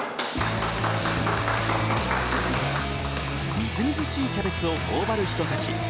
みずみずしいキャベツを頬張る人たち。